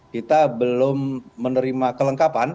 kita belum menerima kelengkapan